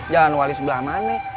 jalan wali sebelah mana